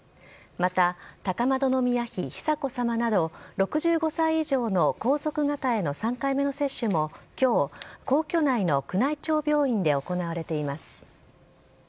また、高円宮妃久子さまなど６５歳以上の皇族方への３回目の接種もきょう、皇居内の宮内庁病院で行われています。